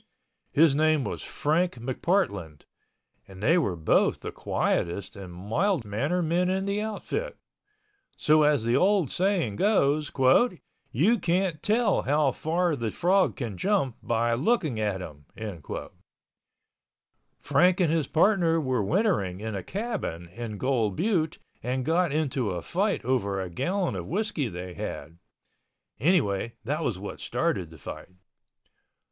His name was Frank McPartland—and they were both the quietest and mild mannered men in the outfit. So as the old saying goes: "You can't tell how far the frog can jump by looking at him." Frank and his partner were wintering in a cabin in Gold Butte and got into a fight over a gallon of whiskey they had—anyway that was what started the fight.